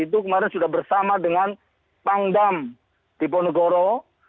itu kemarin sudah bersama dengan pangdam di ponegoro